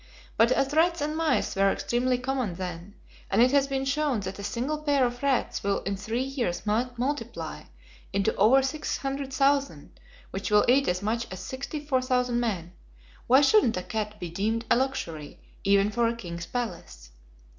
But as rats and mice were extremely common then, and it has been shown that a single pair of rats will in three years multiply into over six hundred thousand, which will eat as much as sixty four thousand men, why shouldn't a cat be deemed a luxury even for a king's palace?